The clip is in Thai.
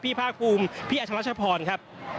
พี่ภาคภูมิพี่อาชะมรัชพรครับ